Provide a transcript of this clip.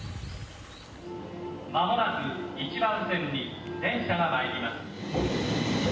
まもなく１番線に電車が参ります。